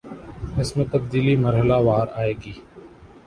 اس میں تبدیلی مرحلہ وار آئے گی